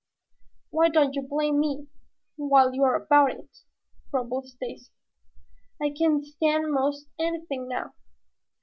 "Why don't you blame me, while you are about it?" grumbled Stacy. "I can stand most anything now.